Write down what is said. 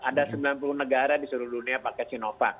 ada sembilan puluh negara di seluruh dunia pakai sinovac